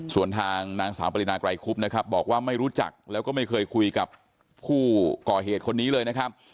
ส่วนทางนางสาวปรินาไกรคุบนะครับบอกว่าไม่รู้จักแล้วก็ไม่เคยคุยกับผู้ก่อเหตุคนนี้เลยนะครับ